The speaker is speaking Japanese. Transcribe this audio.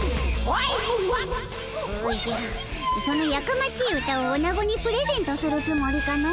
おじゃそのやかまちい歌をおなごにプレゼントするつもりかの？